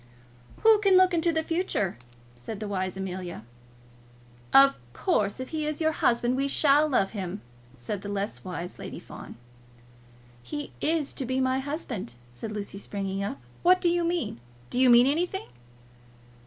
"Who can look into the future?" said the wise Amelia. "Of course, if he is your husband, we shall love him," said the less wise Lady Fawn. "He is to be my husband," said Lucy, springing up. "What do you mean? Do you mean anything?"